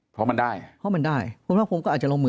เพราะมันได้เพราะมันได้คุณภาคภูมิก็อาจจะลงมือ